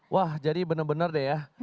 wah jadi benar benar deh ya